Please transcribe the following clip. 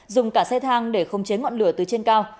dùng cả xe thang để khống chế ngọn lửa từ trên cao